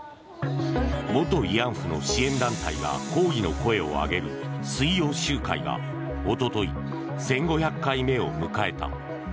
元慰安婦の支援団体が抗議の声を上げる水曜集会が一昨日１５００回目を迎えた。